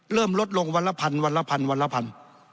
ลดลงวันละพันวันละพันวันละพัน